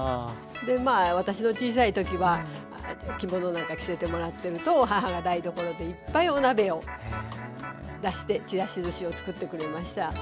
でまあ私の小さい時は着物なんか着せてもらってると母が台所でいっぱいお鍋を出してちらしずしを作ってくれました。